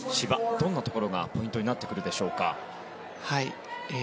どんなところがポイントになってくるでしょうか。